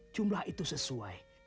jumlah itu sesuai